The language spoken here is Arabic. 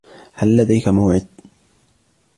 هل لديك موعد ؟